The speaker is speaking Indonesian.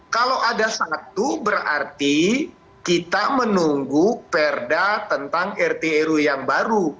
kalau ada satu berarti kita menunggu perda tentang rtrw yang baru